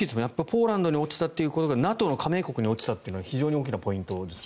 ポーランドに落ちたということがＮＡＴＯの加盟国に起きたということは大きなポイントですね。